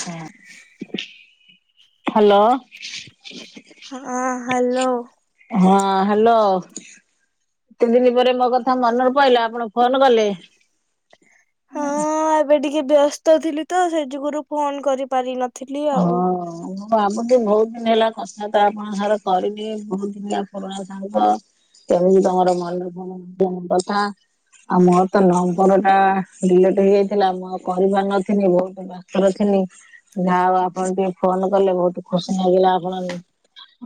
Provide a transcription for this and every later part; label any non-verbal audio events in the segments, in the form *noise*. ହଁ, ହ୍ୟାଲୋ। ହଁ ହ୍ୟାଲୋ। ହଁ ହ୍ୟାଲୋ, ଏତେ ଦିନି ପରେ ମୋ କଥ ମନରୁ ପଇଲା ଆପଣ ଫୋନ କଲେ। ହଁ ଏବେ ଟିକେ ବ୍ୟସ୍ତ ଥିଲି ତ ସେ ଯୋଗୁରୁ ଫୋନ କରିପାରିନ ହଁ। ହଁ ଆମୁ ବି ବହୁତ ଦିନ ହେଲା କଥା ତ ଆପଣ ସାଙ୍ଗ କରିନି ବହୁତ ଦିନିଆ ପୁରୁଣା ସାଙ୍ଗ। କେମିତି ତମର ମନେ ପଡୁନି ପ *unintelligible* କଥା। ଆଉ ମୋର ତ ନମ୍ବର ଟା ଡିଲେଟ ହେଇଯାଇଥିଲା। ମୁଁ ଆଉ କରିପାରି ନଥିଲି ବହୁତ ପାତର ଥିଲି। ଯା ହଉ ଆଉ ଆପଣ ଟିକେ ଫୋନ କଲେ ବହୁତ ଖୁସି ଲାଗିଲା। ଆପଣ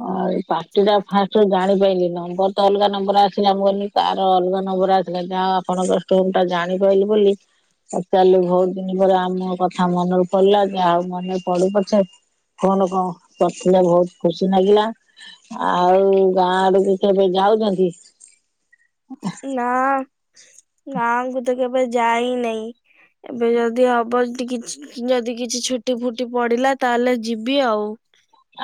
ହଁ ଏଇ ପାଟି ଟା ଫାଷ୍ଟ ଜାଣିପାଇଲି ନମ୍ବର ତ ଅଲଗା ନମ୍ବର ଆସିଲା। ମୁଁ କହିଲି ତାର ଅଲଗା ନମ୍ବର ଆସିଲା ଯାହା ହଉ ଆପଣଙ୍କ ଷ୍ଟୋନଟା ଜାଣିପାଇଲି ବୋଲି ପଚାରିଲି ବହୁତ ଦିନି ପରେ ଆମ କଥା ମନରେ ପଡିଲା କି ଆଉ ମନେ ପଡୁ ପଛେ ଫୋନ କ କରିଥିଲେ ବହୁତ ଖୁସି ଲାଗିଲା। ଆଉ ଗାଁ ଆଡୁକୁ କେବେ ଯାଉଛନ୍ତି? ନା ଗାଁଙ୍କୁ ତ କେବେ ଯାଇ ନେଇ। ଏବେ ଯଦି ହବ ଟିକି ଯଦି କିଛି ଛୁଟି ଫୁଟି ପଡିଲା ତାହେଲେ ଯିବି ଆଉ।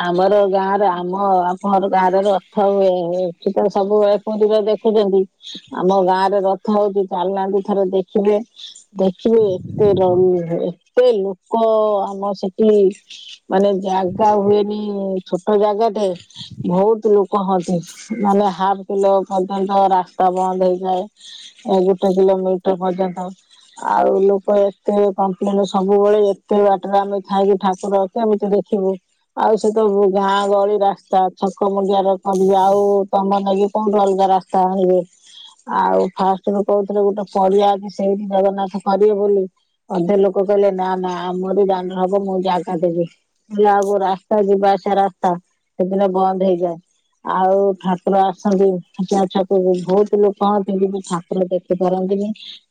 ଆମର ଗାଁରେ ଆମ ଆମର ଗାଁରେ ରଥ ହୁଏ। ଏଠି ତ ସବୁବେଳେ ପରିବା ଦେଖୁଛନ୍ତି ଆମ ଗାଁ ରେ ରଥ ହଉଛି ଚାଲୁନାହାନ୍ତି ଥରେ ଦେଖିବେ। ଦେଖିବେ ଏତେର ଏତେ ଲୋକ ଆମ ସେଠି। ମାନେ ଜାଗା ହୁଏନି ଛୋଟ ଜାଗା ଟେ। ବହୁତ ଲୋକ ହନ୍ତି ମାନେ ହାଫ କିଲୋ ପର୍ଯ୍ୟନ୍ତ ରାସ୍ତା ବନ୍ଦ ହେଇଯାଏ। ଏ ଗୋଟେ କିଲୋମିଟର ପର୍ଯ୍ୟନ୍ତ। ଆଉ ଲୋକ ଏତେ କମ୍ପ୍ଲେନ ସବୁବେଳେ ଏତେ ବାଟରେ ଆମେ ଥାଇକି ଠାକୁର କେମିତି ଦେଖିବୁ ଆଉ ସେତ ଗାଁ ଗହଳି ରାସ୍ତା ଛକ ମୁଣ୍ଡିଆର ସବୁ ଆଉ କବ ନେଲି ତ ଅଲଗା ରାସ୍ତା ହେଲେ ଆଉ ଫାଷ୍ଟରୁ କହୁଥିଲି ଗୋଟେ ପରିବା କି ସେଇଠି ଜଗନ୍ନାଥ କରିବେ ବୋଲି। ଅଧେ ଲୋକ କହିଲେ ନା ନା ଆମରି ଦାଣ୍ଡରେହବ ମୁଁ ଜାଗା ଦେବି ଅଉ ପୁରା ତା ଯିବା ଆସିବା ରାସ୍ତା ସେଦିନ ବନ୍ଦ ହେଇଯାଏ। ଆଉ ଠାକୁର ଆସନ୍ତି ପଞ୍ଚାୟତ ଛକକୁ ବହୁତୁ ଲୋକ ହୁଅନ୍ତି କିନ୍ତୁ ଠା ଦେଖିପାରନ୍ତିନି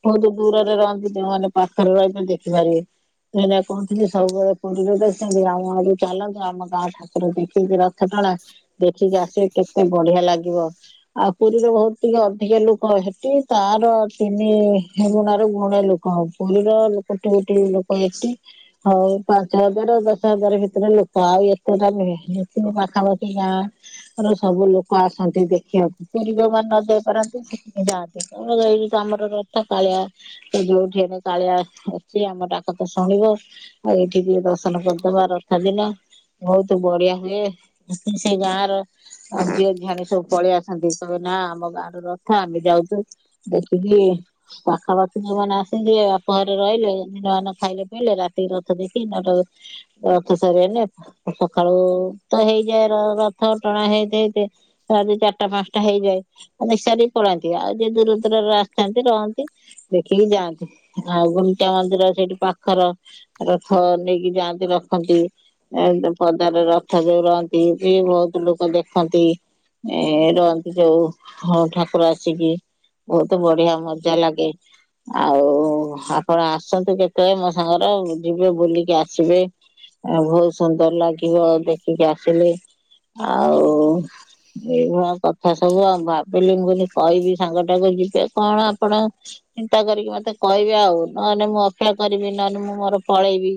ବହୁତ ଦୂରରେ ରହନ୍ତି ଯୋଉମାନେ ପାଖରେ ରହିଛନ୍ତି ଦେଖିପାରିବେ। ସେଇରା କହୁଥିଲେ ସବୁବେଳେ ପୁରୀରେ ଦର୍ଶନ୍ତି ଆମ ଆଡେ ଚାଲନ୍ତୁ। ଆମ ଗାଁ ଠାକୁର ଦେଖିକି ରଥ ଟଣା ଦେଖିକି ଆସିବେ କେତେ ବଢିଆ ଲାଗିବ। ଆଉ ପୁରୀରେ ବହୁତ ଟିକେ ଅଧିକ ଲୋକ ହେଠି ତାର ତିନିଗୁଣରୁ ଗୁଣେ ଲୋକ। ହଁ ପୁରୀର କୋଟି କୋଟି ଲୋକ ଆସି ହଉ ପାଞ୍ଚ ହଜାର ଆଉ ଦଶ ହଜାର ଭିତରେ ଲୋକ। ହଁ ଆଉ ଏତେଟା ନୁହେଁ ଯେତିକି ପାଖାପାଖି ଗାଁର ସବୁ ଲୋକ ହଁ ଆସନ୍ତି ଦେଖିବାକୁ ପରିବା ମାନ ତ ଦେଇପାରନ୍ତି। ଯା ତ କଣ ନେଇକି ଆମର ରଥକାଳିଆ ସେ ଯୋଉଠି ହେଲେ କାଳିଆ ଅଛନ୍ତି ଆମ ଡାକ ତ ଶୁଣିବେ। ଆଉ ଏଇଠିି ଟିକେ ଦର୍ଶନ କରିଦବା ରଥା ଦିନ। ବହୁତ ବଢିଆ ହୁଏ ମିଶିକି ସେ ଗାଁ ର ଆଉ ଝିଅ ଝିଆଣି ସବୁ ପଳେଇ ଆସନ୍ତି କହିବେ ନା ଆମ ଗାଁ ର ରଥ ଆମେ ଯାଉଛୁ। ଦେଖିବି। ପାଖାପାଖି ଯୋଉମାନେ ଆସନ୍ତି ବାପ ଘରେ ରହିଲେ ଦିନମାନେ ଖାଇଲେ ପିଇଲେ ରାତି ରଥ ଦେଖିକି ନ ରଥ ସରିଗଲେ ସକାଳୁ ତ ହେଇଯାଏ ର ରଥ ଟଣା ହେଇଯାଇ ଥାଏ। ତଥାବି ଚାରଟା ପାଞ୍ଚଟା ହେଇଯାଏ। ଦେଖି ସାରିକି ପଳାନ୍ତି ଆଉ ଯେ ଦୂରୁରୁ ଦୂରରୁ ଆସିଥାନ୍ତି ରହନ୍ତି ଦେଖିକି ଯାଆନ୍ତି। ଆଉ ଗୁଣ୍ଡିଚା ମନ୍ଦିର ସେଇଠି ପାଖର ରଥ ନେଇକି ଯାଆନ୍ତି ରଖନ୍ତି। ଏ ପଦାରେ ରଥ ଯୋଉ ରହନ୍ତି ବି ବହୁତ ଲୋକ ଦେଖନ୍ତି। ଏ ରହନ୍ତି ଯୋଉ ହ ଠାକୁର ଆସିକି। ବହୁତ ବଢିଆ ମଜା ଲାଗେ। ଆଉ ଆପଣ ଆସନ୍ତୁ କେତେବେଳେ ମୋ ସାଙ୍ଗରେ ଯିବେ ବୁଲିକି ଆସିବେ। ଆ ବହୁତ ସୁନ୍ଦର ଲାଗିବ ଦେଖିକି ଆସିଲେ। ଆଉ ଏଇଭଳିଆ କଥା ସବୁ ଆଉ ଭାବିଲି ମୁଁ କଇଲି କହିବି ସାଙ୍ଗଟାକୁ ଯିବେ କଣ ଆପଣ ଚିନ୍ତା କରିକି ମତେ କହିବେ ଆଉ ନହଲେ ମୁଁ ଅପେକ୍ଷା କରିବି ନହଲେ ମୁଁ ମୋର ପଳେଇବି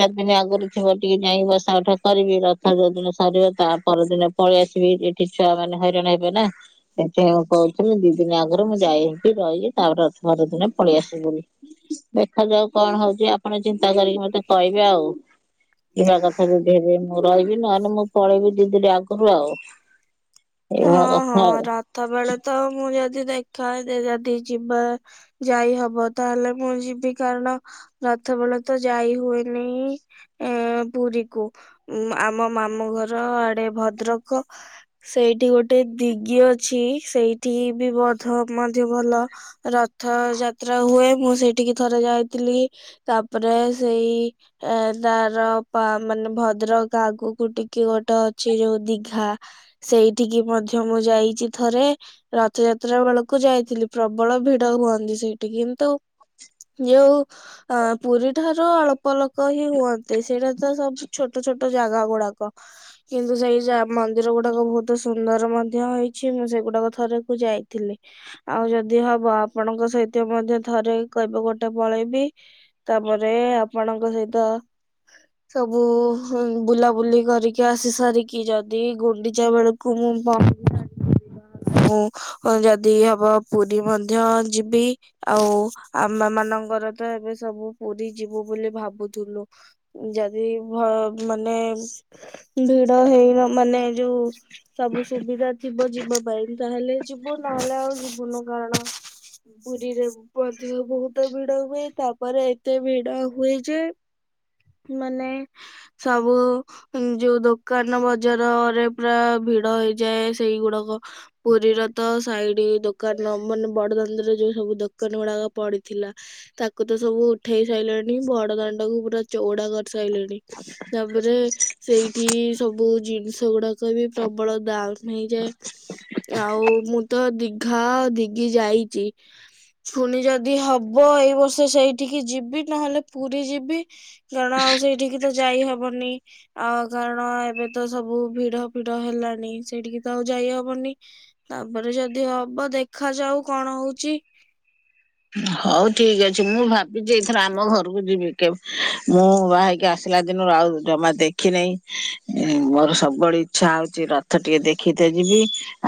ଚାରି ଦିନି ଆଗରୁ ଥିବ ଟିକେ ଯାଇଁ ବସା ଉଠା କରିବି ରଥ ଯୋଉ ଦିନ ସରିବ ତା ପରଦିନ ପଳେଇ ଆସିବି ଏ ଠି ଛୁଆ ମାନେ ହଇରାଣ ହେବେ ନା ସେଠି ମୁଁ ମୁଁ ଦି ଦିନି ଆଗରୁ ମୁଁ ଯାଏ ହେଠି ରହିଲି ତାପର ପନ୍ଦର ଦିନେ ପଳେଇ ଆସିବି ବୋଲି। ଦେଖାଯାଉ କଣ ହଉଚି ଆପଣ ଚିନ୍ତା କରିକି ମତେ କହିବେ ଆଉ। ଯିବା କଥା ଯଦି କହିବେ ମୁଁ ରହିବି ନହଲେ ମୁଁ ପଳେଇବି ଦି ଦିନି ରେ ଆଗରୁ ଆଉ। ଏଇଭଳିଆ କଥା ଆଉ। ଥାବେଳେ ତ ମୁଁ ଯଦି ଦେଖା *unintelligible* ଯଦି ଯିବା ଯାଇ ହବ ତାହେଲେ ମୁଁ ଯିବି। କାରଣ ରଥ ବେଳେ ତ ଯାଇ ହୁଏନି। ଏଁ ପୁରୀକୁ ଆମ ମାମୁଁ ଘର ଆଡେ ଭଦ୍ରକ। ସେଇଠି ଗୋଟେ ଦିଗି ଅଛି, ସେଇଠି ବି ବଧ ମଧ୍ୟ ଭଲ। ରଥଯାତ୍ରା ହୁଏ ମୁଁ ସେଇଠିକି ଥରେ ଯାଇଥିଲି। ତାପରେ ସେଇ ଏ ତାର ପା ମାନେ ଭଦ୍ରକ ଆଗୁକୁ ଟିକେ ଗୋଟେ ଅଛି ଯୋଉ ଦିଘା। ସେଇଠିକି ମଧ୍ୟ ମୁଁ ଯାଇଚି ଥରେ। ରଥଯାତ୍ରା ବେଳକୁ ଯାଇଥିଲି ପ୍ରବଳ ଭିଡ ହୁଅନ୍ତି ସେଇଠି, କିନ୍ତୁ ଯୋଉ ଅ ପୁରୀ ଠାରୁ ଅଳ୍ପ ଲୋକ ହିଁ ହୁଅ ନ୍ତି ସେଇଟା ତ ସବୁ ଛୋଟ ଛୋଟ ଜାଗା ଗୁଡାକ କିନ୍ତୁ ସେଇ ଯା ମନ୍ଦିର ଗୁଡା ଡାକ ବହୁତ ସୁନ୍ଦର ମଧ୍ୟ ହେଇଚି ମୁଁ ସେଗୁଡାକ ଥରେ କୁ ଯାଇଥିଲି। ଆଉ ଯଦି ହବ ଆପଣଙ୍କ ସହିତ ମଧ୍ୟ ଥରେ କହିବ ଗୋଟେ ପଳେଇବି। ତାପରେ ଆପଣଙ୍କ ସହିତ ସବୁ ବୁଲାବୁଲି କରିକି ଆସି ସାରିକି ଯଦି ଗୁଣ୍ଡି ଚା ବେଳୁକୁ ମୁଁ *inaudible* ମୁଁ ହଁ ଯଦି ହବ ପୁରୀ ମଧ୍ୟ ଯିବି। ଆଉ ଆମା ମାନଙ୍କର ତ ଏବେ ସବୁ ପୁରୀ ଯିବୁ ବୋଲି ଭାବୁଥୁଲୁ। ଯଦି ଭ ମାନେ ଭିଡ ହେଇନା ମାନେ ଯୋଉ ସବୁ ସୁବିଧା ଥିବ ଯିବା ପାଇଁ ତାହେଲେ ଯିବୁ ନହଲେ ଆଉ ଯିବୁନୁ କାରଣ ପୁରୀରେ ବୁ ମଧ୍ୟ ବହୁତ ଭିଡ ହୁଏ। ତାପରେ ଏତେ ଭିଡ ହୁଏ ଯେ ମାନେ ସବୁ ଯୋଉ ଦୋକାନ ବଜାରରେ ପୁରା ଭିଡ ହେଇଯାଏ ସେଇଗୁଡାକ। ପୁରୀର ତ ସାଇଡି ଦୋକାନ ମାନେ ବଡ ଦାଣ୍ଡରେ ଯୋଉ ସବୁ ଦୋକାନ ଗୁଡାକ ପଡିଥିଲା। ତାକୁ ତ ସବୁ ଉଠେଇ ସାଇଲେଣି ବଡ ଦାଣ୍ଡକୁ ପୁରା ଚଉଡା କରସାଇଲେଣି। ତାପରେ ସେଇଠି ସବୁ ଜିନିଷ ଗୁଡା ସବୁ ବିି ପ୍ରବଳ ଦାମ୍ ହେଇଯାଏ। ଆଉ ମୁଁ ତ ଦିଘା, ଆଉ ଦିଗି ଯାଇଚି। ଫୁଣି ଯଦି ହବ ଏଇ ବର୍ଷ ସେଇଠିକି ଯିବି ନହଲେ ପୁରୀ ଯିବି। କାରଣ ଆଉ ସେଇଠିକି ତ ଯାଇ ହବନି ଆ କାରଣ ଏବେ ତ ସବୁ ଭିଡ ଭିଡ ହେଲାଣି ସେଠିକି ତ ଆଉ ଯାଇହବନି। ତାପରେ ଯଦି ହବ ଦେଖାଯାଉ କଣ ହଉଛି। ହଉ ଠିକ୍ ଅଛି ମୁଁ ଭାବିଛି ଏଇଥର ଆମ ଘରକୁ ଯିବି। କେ ମୁଁ ବାହା ହେଇକି ଆସି ଆସିଲା ଦିନରୁ ଆଉ ଜମା ଦେଖିନାହିଁ ମୋର ସବୁବେଳେ ଇଚ୍ଛା ହଉଛି। ଥ ଟିକେ ଦେଖିତେ ଯିବି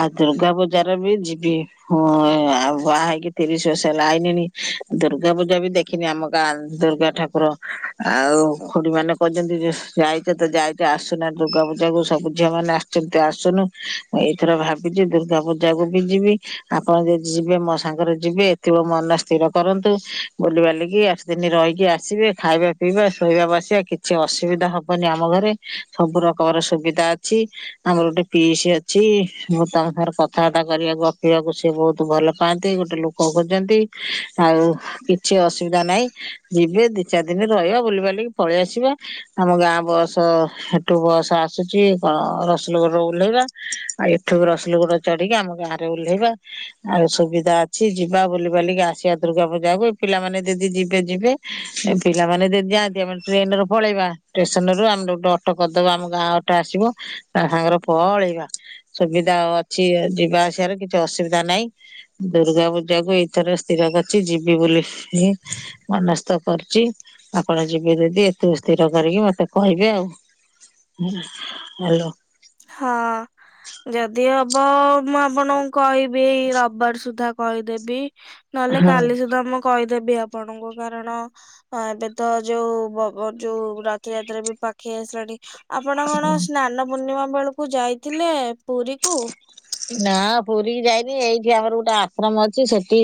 ଆଉ ଦୁର୍ଗା ପୂଜାରେ ବି ଯିବି। ହଁ ଆଉ ବାହା ହେଇକି ତିରିଶ ବର୍ଷ *unintelligible* ଦୁର୍ଗା ପୂଜା ବି ଦେଖିନି ଆମ ଗାଁ ଦୁର୍ଗା ଠାକୁର। ଆଉ ଖୁଡିମାନେ କହିଛନ୍ତି ଯେ ଯାଇଛେ ତ ଯାଇଛେ ଆସୁନା ଦୁର୍ଗା ପୂଜାକୁ ସବୁ ଝିଅମାନେ ଆସୁନୁ। ମୁଁ ଏଇଥର ଭାବିଛିି ଦୁର୍ଗା ପୂଜା କୁ ବି ଯିବି ଆପଣ ଯଦି ଯିବେ ମୋ ସାଙ୍ଗରେ ଯିବେ। ଥିବ ମନ ସ୍ଥିର କରନ୍ତୁ। ବୁଲିିବାଲିକି ଆଠ ଦିନ ରହିକି ଆସିବେ ଖାଇବା ପିଇବା ଶୋଇବା ବସିବା। କିଛି ଅସୁବିଧା ହବନି ଆମ ଘରେ ସବୁ ରକମର ସୁବିଧା ଅଛି। ଆମର ଗୋଟେ ପିଇସି ଅଛି। ମୁଁ ତାଙ୍କ ସାଙ୍ଗରେ କଥାବାର୍ତ୍ତା କରିବାକୁ ଗପିବାକୁ ସିଏ ବହୁତ ଭଲ ପାଆନ୍ତି। ଗୋଟେ ଲୋକ ଖୋଜନ୍ତି। ଆଉ କିଛି ଅସୁବିଧା ନାହିଁ ଯିବେ ଦି ଚାରି ଦିନ ରହିବ ବୁଲିବାଲିକି ପଳେଇ ଆସିବା ଆମ ଗାଁ ବୟସ ସେଠୁ ବୟସ ଆସୁଛି କଣ ରସୁଲଗଡ଼ ଓହ୍ଲେଇବା। ଆଉ ଏଠୁ ବି ରସୁଲଗୋଡ ଚଢିକି ଆମ ଗାଁରେ ଓହ୍ଲେଇବା ଆଉ ସୁବିଧା କିଛି ଯିବା ବୁଲି ବାଲିକି ଆସିବା ଦୂର୍ଗା ପୂଜାକୁ ଏ ପିଲାମାନେ ଯଦି ଯିବେ ଯିବେ ଏ ପିଲାମାନେ ଯଦି ଯାଆନ୍ତି ଆମେ ଟ୍ରେନରେ ପଳେଇବା। ଷ୍ଟେସନ ରୁ ଆମେ ଗୋଟେ ଅଟୋ କରିଦବା ଆମ ଗାଁ ଅଟୋ ଆସିବ ତା ସାଙ୍ଗରେ ପଳେଇବା। ସୁବିଧା ଅଛି ଯିବା ଆସିବାର କିଛି ଅସୁବିଧା ନାହିଁ। ଦୁର୍ଗା ପୂଜା କୁ ଏଇଥର ସ୍ଥିର କରିଛି ଯିବି ବୋଲି ହେ ମନସ୍ଥ କରଛି। ଆପଣ ଯିବେ ଯଦି ଏତୁ ସ୍ଥିର କରିକି ମତେ କହିବେ ଆଉ ହଁ ହାଲୋ ହଁ ଯଦି ହବ ମୁଁ ଆପଣଙ୍କୁ କହିବି ଏଇ ରବିବାର ସୁଦ୍ଧା କହିଦେବି ନହେଲେ ହଁ। କାଲି ସୁଧା ମୁଁ କହିଦେବି ଆପଣଙ୍କୁ କାରଣ ହଁ ଏବେ ତ ଯୋଉ ଯୋଉ ରଥଯାତ୍ରା ରେ ବି ପାଖେଇ ଆସିଲାଣି ଆପଣ କଣ ସ୍ନାନ ପୂର୍ଣ୍ଣିମା ବେଳକୁ ଯାଇଥିଲେ ପୁରୀ କୁ? ନା ପୁରୀ ଯାଇନି ଏଇଠି ଆମର ଗୋଟେ ଆଶ୍ରମ ଅଛି ସେଠି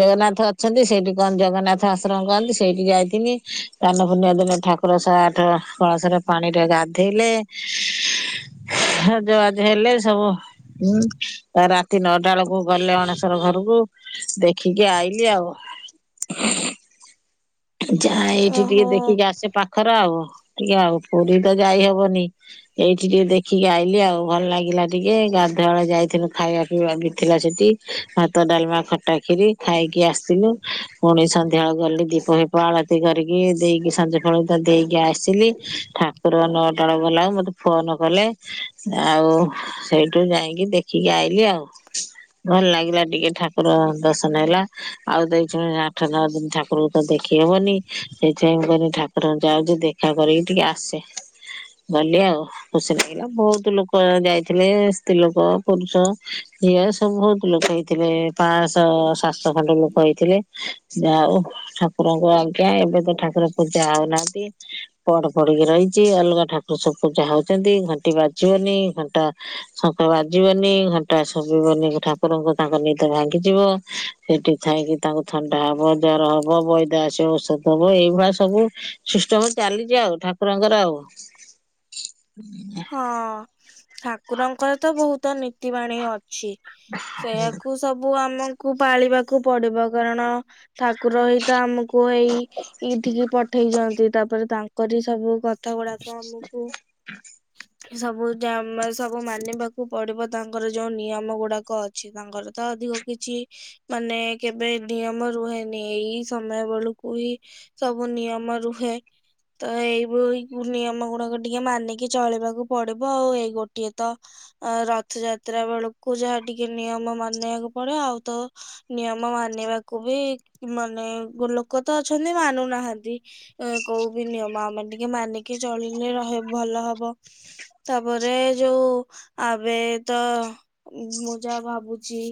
ଜଗନ୍ନାଥ ଅଛନ୍ତି ସେଇଠି କନ୍ ଜଗନ୍ନାଥ ଆଶ୍ରମ କରନ୍ତି ସେଇଠି ଯାଇିନି ସ୍ନାନ ପୂର୍ଣ୍ଣିମା ଦିନ ଠା କୁର ଶହେ ଆଠ କଳାସରେ ପାଣି ଟରେ ଗାଧେଇଲେ ହଜ ବାଜ ହେଲେ ସବୁ ହୁଁ ରାତି ନଅଟା ବେଳକୁ ଗଲେ ଅଣେଶର ଘରକୁ ଦେଖିକି ଆଇଲି ଆଉ ଯାଏ ଏଇଠି ଟିକେ ଓହୋ ଦେଖିକି ଆସେ ପାଖର ଆଉ ଟିକେ ଆଉ ପୁରୀ ତ ଯାଇ ହବନି ଏଇଠି ଟିକେ ଦେଖିକି ଆଇଲିି ଆଉ ଭଲ ଲାଗିଲା ଟିକେ ଗାଧୁଆଳ ଯାଇଥିଲୁ ଖାଇବା ପିଇବା ବି ଥିଲା ସେଠି ଭାତ ଡାଲମା ଖଟା ଖିରି ଖାଇକି ଆସିଲୁ ପୁଣି ସନ୍ଧ୍ୟାବେଳେ ଗଲି ଦୀପ ଆଳତି କରିକି ଦେଇକି ସଜ ଫଳ ଦେଇକି ଆସିଲି ଠାକୁର ନଟାଳ ଗଲା ମତେ ଫୋନ କଲେ ଆଉ ସେଇଠୁ ଯାଇକି ଦେଖିକି ଆଇଲିି ଆଉ ଭଲ ଲାଗିଲା ଟିକେ ଠାକୁର ଦର୍ଶନ ହେଲା ଆଉ ଦେଇଛୁ ଆଠ ନଅ ଦିନ ଠାକୁରକୁ ତ ଦେଖ ଦେଖ ହବନି ସେଇଥିପାଇଁ ମୁଁ କହିନି ଠାକୁରଙ୍କୁ ଯାଉଛି ଦେଖା କରିକି ଟିକେ ଆସେ। ଗଲି ଆଉ ଖୁସି ଲାଗିଲା ବହୁତ ଲୋକ ଯାଇଥିଲେ ସ୍ତ୍ରୀ ଲୋକ ପୁରୁଷ ଝି ସବୁ ବହୁତ ଲୋକ ହେଇଥିଲେ। ପାଞ୍ଚଶହ ସାତଶହ ଖଣ୍ଡ ଲୋକ ହେଇଥିଲେ ଆଉ ଠା ଠାକୁରଙ୍କୁ ଆଜ୍ଞା ଏବେ ତ ଠାକୁର ପୂଜା ହଉନାହାନ୍ତି। ପଢ ପଢିକି ରହିଛି ଅଲଗା ଠାକୁର ସବୁ ପୂଜା ହୋଉଛନ୍ତି ଘଣ୍ଟି ବାଜିବନି ଘଣ୍ଟା ଶଙ୍ଖ ବାଜିବନି ଘଣ୍ଟା ଶୁଭିବନି ଠାକୁରଙ୍କୁ ତାଙ୍କ ନିଦ ଭାଙ୍ଗିଯିବ। ସେଠି ଥାଇକି ତାଙ୍କୁ ଥଣ୍ଡା ହବ ଜର ହବ ବଇ ସିଏ ଆସିବ ଔଷଧ ଦବ ଏଇଭଳିଆ ସବୁ ସିଷ୍ଟମ ଚାଲିଛି ଆଉ ଠାକୁରଙ୍କର ଆଉ *inaudible* ହଁ ଠାକୁରଙ୍କର ତ ବହୁତ ନୀତି ବାଣୀ ଅଛି ସେୟାକୁ ସବୁ ଆମକୁ ପାଳିବାକୁ ପଡିବ କାରଣ ଠାକୁର ହିଁତ ଆମକୁ ଏଇ ଏଇଠିକି ପଠେଇ ଯନ୍ତି ତାପରେ ତାଙ୍କୁ କରି ସବୁ କଥା ଗୁଡାକ ଆମକୁ ସବୁ ଯା ମା ସବୁ ମାନିବାକୁ ପଡିବ ତାଙ୍କର ଯୋଉ ନିୟମ ଗୁଡାକ ଲୋକ ଅଛି ତାଙ୍କର ତ ଅଧିକ କିଛି ମାନେ କେବେ ନିୟମ ରୁହେନି ଏଇ ସମୟ ବେଳକୁ ହି ସବୁ ନିୟମ ରୁହେ ତ ଏଇ ବୋହିକି ନିୟମ ଗୁଡାକ ଟିକେ ମାନିକି ଚଳିବାକୁ ପଡିବ ଆଉ ଏଇ ଗୋଟିଏ ତ ଅ ରଥଯାତ୍ରା ବେଳକୁ ଯାହା ଟିକେ ନିୟମ ମାନେଇବାକୁ ପଡେ ଆଉ ତ ନିୟମ ମାନିବାକୁ ବି ମାନେ ଲୋକ ତ ଅଛନ୍ତି ମାନୁନାହାନ୍ତି କୋଉ ବିି ନିୟମ ଆମେ ଟିକେ ମାନିକି ଚଳିଲେ ରହ ଭଲ ହବ। ହ ତାପରେ ଯୋଉ ଏବେ ତ ମୁଁ ଯାହା ଭାବୁଛି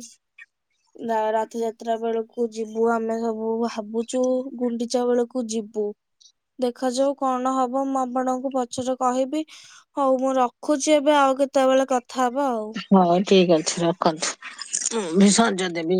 ରଥଯାତ୍ରା ବେଳକୁ ଯିବୁ ଆମେ ସବୁ ଭାବୁଛୁ ଗୁଣ୍ଡିଚା ବେଳକୁ ଯିବୁ। ଦେଖାଯାଉ କଣ ହବ ମୁଁ ଆପଣଙ୍କୁ ପଛରେ କହିବି ହଉ ମୁଁ ରଖୁଛି ଏବେ ଆଉ କେତେବେଳେ କଥା ହବା ଆଉ। ହଉ ଠିକ ଅଛି ରଖନ୍ତୁ ମୁ ବି ସଞ୍ଜ ଦେବି।